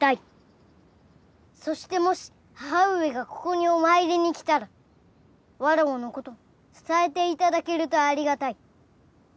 そしてもし母上がここにお参りに来たらわらわの事伝えて頂けるとありがたい。